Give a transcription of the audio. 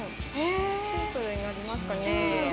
シンプルになりますかね。